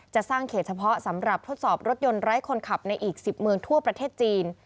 จะสร้างเขตเฉพาะสำหรับทดสอบรถยนต์ไร้คนขับในอีก๑๐เมืองทั่วประเทศจีน